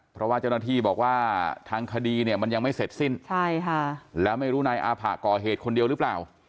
เพราะว่าเจ้าหน้าที่บอกว่าทางคดีเนี่ยมันยังไม่เสร็จสิ้นแล้วไม่รู้นายอาผะก่อเหตุคนเดียวหรือเปล่า